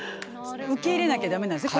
受け入れなきゃ駄目なんですね。